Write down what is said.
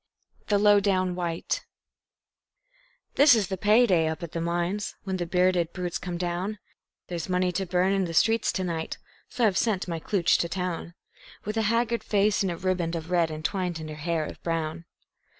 The Low Down White This is the pay day up at the mines, when the bearded brutes come down; There's money to burn in the streets to night, so I've sent my klooch to town, With a haggard face and a ribband of red entwined in her hair of brown.